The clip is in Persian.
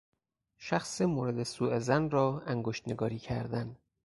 شخص مورد سوظن را انگشت نگاری کردن